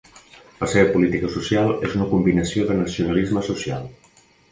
La seva política social és una combinació de nacionalisme social.